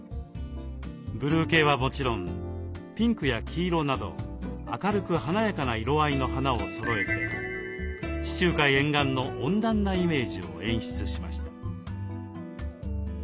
ブルー系はもちろんピンクや黄色など明るく華やかな色合いの花をそろえて地中海沿岸の温暖なイメージを演出しました。